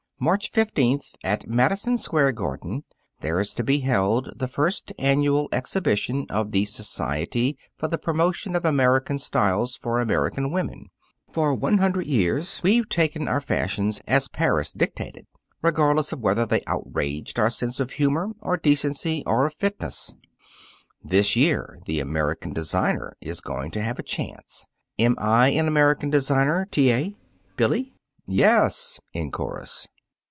"March fifteenth, at Madison Square Garden, there is to be held the first annual exhibition of the Society for the Promotion of American Styles for American Women. For one hundred years we've taken our fashions as Paris dictated, regardless of whether they outraged our sense of humor or decency or of fitness. This year the American designer is going to have a chance. Am I an American designer, T. A., Billy?" "Yes!" in chorus.